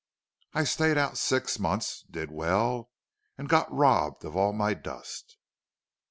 I stayed out six months, did well, and got robbed of all my dust."